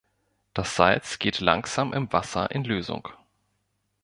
Das Salz geht langsam im Wasser in Lösung.